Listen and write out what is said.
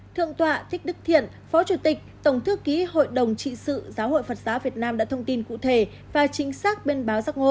thượng tọa thích đức thiện phó chủ tịch tổng thư ký hội đồng trị sự giáo hội phật giáo việt nam đã thông tin cụ thể và chính xác bên báo giác ngộ